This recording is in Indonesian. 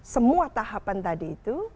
semua tahapan tadi itu